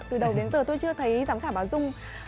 từ đầu đến giờ tôi chưa thấy giám khảo báo dung